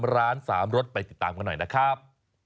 ร้าน๓รสไปติดตามกันหน่อยนะครับ